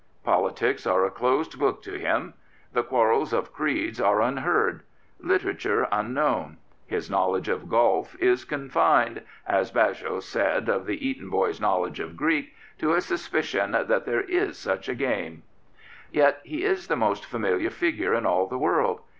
Politics are a closed book to him; the quarrels of creeds are unheard; literature un known ; his knowledge of golf is confined — as Bagehot said of the Eton boy's knowledge of Greek — to a suspicion that there is such a game. Yet he is the most familiar figure in all the world.